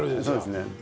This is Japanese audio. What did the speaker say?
そうですね。